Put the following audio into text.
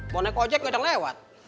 mau naik ojek kadang lewat